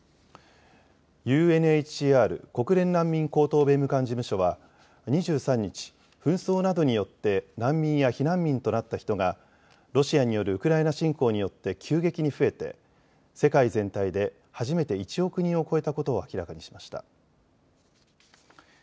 ＵＮＨＣＲ・国連難民高等弁務官事務所は２３日、紛争などによって難民や避難民となった人がロシアによるウクライナ侵攻によって急激に増えて世界全体で初めて１億人を超えたことを明らかにしました。